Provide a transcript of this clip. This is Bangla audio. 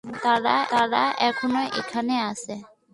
তারা এখনো এখানে আছে।